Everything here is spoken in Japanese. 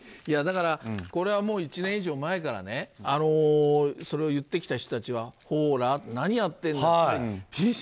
だから、これはもう１年以上も前からそれを言ってきた人たちはほら、何やってるんだと。